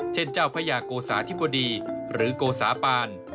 เช่นเจ้าพระยาโกสาธิบดีหรือโกสาปาน